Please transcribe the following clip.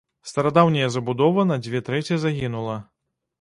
Старадаўняя забудова на дзве трэці загінула.